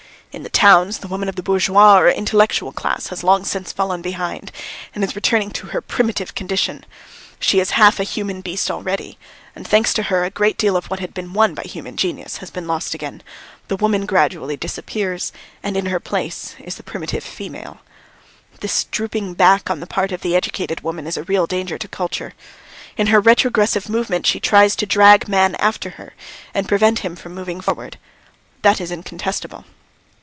In the towns the woman of the bourgeois or intellectual class has long since fallen behind, and is returning to her primitive condition. She is half a human beast already, and, thanks to her, a great deal of what had been won by human genius has been lost again; the woman gradually disappears and in her place is the primitive female. This dropping back on the part of the educated woman is a real danger to culture; in her retrogressive movement she tries to drag man after her and prevents him from moving forward. That is incontestable."